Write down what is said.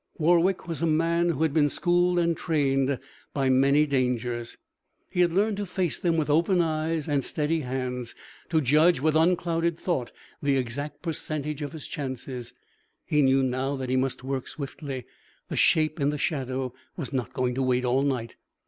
Warwick was a man who had been schooled and trained by many dangers; he had learned to face them with open eyes and steady hands, to judge with unclouded thought the exact percentage of his chances. He knew now that he must work swiftly. The shape in the shadow was not going to wait all night.